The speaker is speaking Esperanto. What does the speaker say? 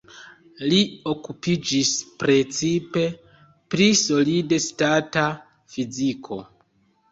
Li okupiĝis precipe pri solid-stata fiziko.